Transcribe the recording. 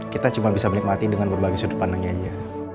kita cuma bisa menikmati dengan berbagai sudut pandangnya aja